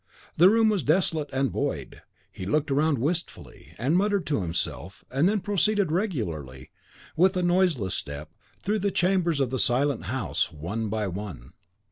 The room was desolate and void. He looked round wistfully, and muttered to himself, and then proceeded regularly, and with a noiseless step, through the chambers of the silent house, one by one.